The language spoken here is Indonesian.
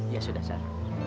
ya sudah sar